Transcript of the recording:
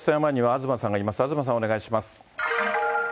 東さん、お願いします。